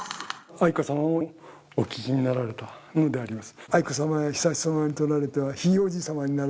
愛子さまもお聞きになられたのであります。